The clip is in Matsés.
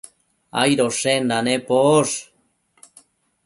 Aidoshenda neposh